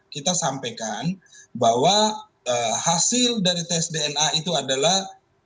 kita sampaikan bahwa hasil dari tes dna itu adalah